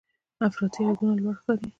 افراطي غږونه لوړ ښکاري.